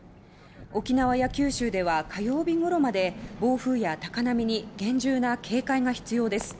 沖縄や九州では火曜日ごろまで暴風や高波に厳重な警戒が必要です。